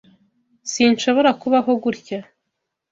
Sinshobora kubaho gutya.